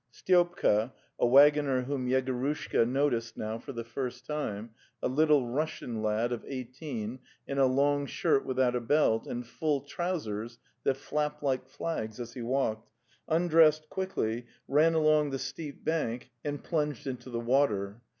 Styopka, a waggoner whom Yegorushka noticed now for the first time, a Little Russian lad of eighteen, in a long shirt without a belt, and full trousers that flapped like flags as he walked, un dressed quickly, ran along the steep bank and 228 The Tales of Chekhov plunged into the water.